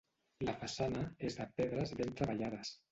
La façana és de pedres ben treballades.